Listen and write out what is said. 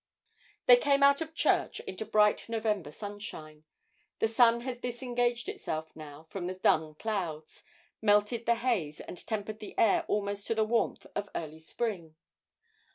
They came out of church into bright November sunshine; the sun had disengaged itself now from the dun clouds, melted the haze, and tempered the air almost to the warmth of early spring.